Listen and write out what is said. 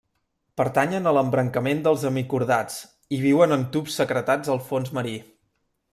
Pertanyen a l'embrancament dels hemicordats, i viuen en tubs secretats al fons marí.